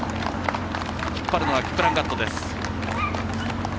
引っ張るのはキプランガットです。